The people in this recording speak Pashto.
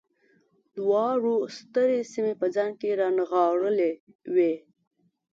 دواړو سترې سیمې په ځان کې رانغاړلې وې.